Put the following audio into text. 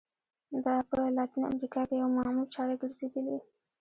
دا په لاتینه امریکا کې یوه معمول چاره ګرځېدلې.